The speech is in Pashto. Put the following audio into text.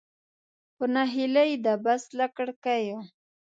په نهیلۍ د بس له کړکیو.